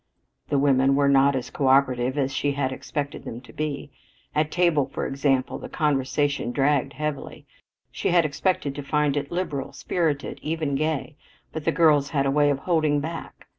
The women were not as coöperative as she had expected them to be. At table, for example, the conversation dragged heavily. She had expected to find it liberal, spirited, even gay, but the girls had a way of holding back.